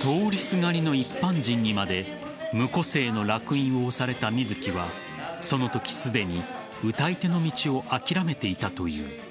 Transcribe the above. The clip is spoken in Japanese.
通りすがりの一般人にまで無個性の烙印を押された水木はそのとき、すでに歌い手の道を諦めていたという。